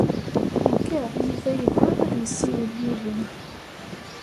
Ugaɣ Yuba yebɣa ad yessiwel yid-m.